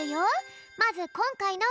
まずこんかいのテーマ